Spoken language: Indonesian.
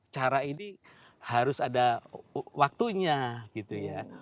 cara ini harus ada waktunya gitu ya